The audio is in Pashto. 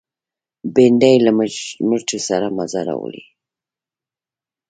بېنډۍ له مرچو سره مزه راولي